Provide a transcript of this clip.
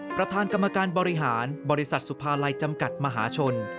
ประธานกรรมการบริหารบริษัทสุภาลัยจำกัดมหาชน